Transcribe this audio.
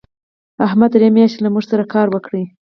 احمد درې میاشتې له موږ سره کار وکړ.